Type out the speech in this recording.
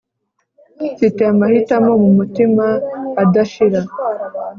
mfite amahitamo mumutima adashira